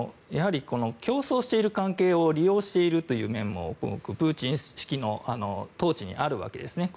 競争している関係を利用しているという面もプーチン式の統治にあるわけですね。